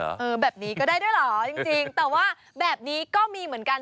เออแบบนี้ก็ได้ด้วยเหรอจริงแต่ว่าแบบนี้ก็มีเหมือนกัน